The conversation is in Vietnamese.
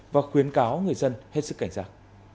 và khuyến cáo người dân hết sức cảnh giác